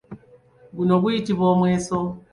Guno guyitibwa omweso.